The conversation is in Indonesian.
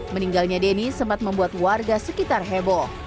meninggalnya denny sempat membuat warga sekitar heboh